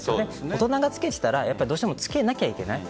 大人がつけてたらどうしてもつけなきゃいけない。